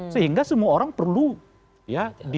sehingga semua orang perlu ya